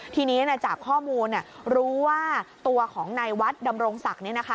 ทีนี้จากข้อมูลรู้ว่าตัวของนายวัดดำรงศักดิ์